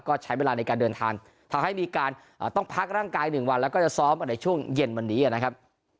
ก็ใช้เวลาในการเดินทางทำให้มีการต้องพักร่างกาย๑วันแล้วก็จะซ้อมในช่วงเย็นวันนี้นะครับ